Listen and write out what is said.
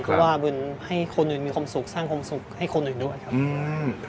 เพราะว่าบุญให้คนอื่นมีความสุขสร้างความสุขให้คนอื่นด้วยครับอืม